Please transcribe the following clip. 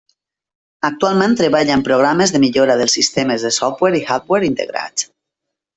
Actualment treballa en programes de millora dels sistemes de Software i Hardware integrats.